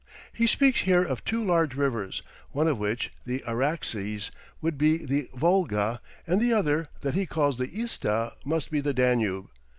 He speaks here of two large rivers, one of which, the Araxes, would be the Volga, and the other, that he calls the Ista, must be the Danube.